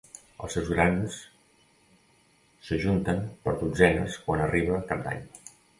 Els seus grans s'ajunten per dotzenes quan arriba cap d'any.